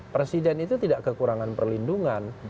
presiden itu tidak kekurangan perlindungan